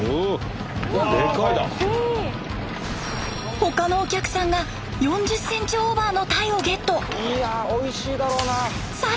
他のお客さんが４０センチオーバーの鯛をゲット！